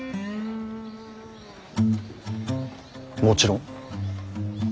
もちろん。